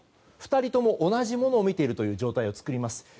２人とも同じ画面を見ている状況を作ります。